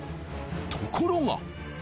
ところが。